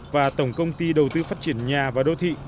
và tổng công ty đầu tư phát triển nhà và đô thị